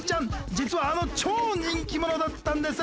実はあの超人気者だったんです。